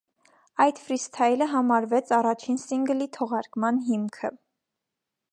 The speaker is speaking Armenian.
Այդ ֆրիսթայլը համարվեց առաջին սինգլի թողարկման հիմքը։